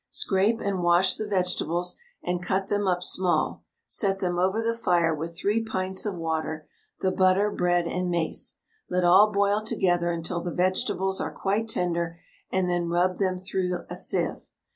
Scrape and wash the vegetables, and cut them up small; set them over the fire with 3 pints of water, the butter, bread, and mace. Let all boil together until the vegetables are quite tender, and then rub them through a sieve.